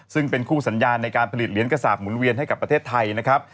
ซึ่งเป็นคู่สัญญาในการผลิตเหรียญกระสาปหุ่นเวียนให้กับประเทศไทยนะครับ